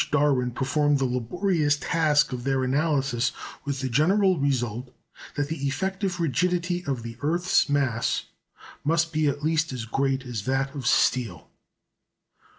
Darwin performed the laborious task of their analysis, with the general result that the "effective rigidity" of the earth's mass must be at least as great as that of steel.